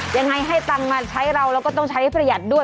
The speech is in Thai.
ยังไงให้ตังค์มาใช้เราแล้วก็ต้องใช้ประหยัดด้วย